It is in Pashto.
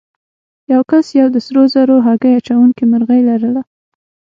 یو کس یوه د سرو زرو هګۍ اچوونکې مرغۍ لرله.